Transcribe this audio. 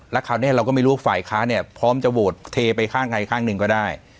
และคราวนี้เราก็ไม่รู้ว่าฝ่ายค้าพร้อมจะโบสถ์เทไปข้างไกลอกลับได้